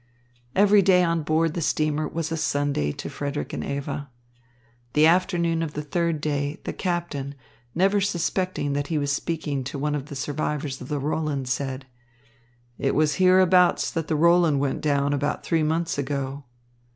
Every day on board the steamer was a Sunday to Frederick and Eva. The afternoon of the third day the captain, never suspecting that he was speaking to one of the survivors of the Roland, said: "It was hereabouts that the Roland went down about three months ago."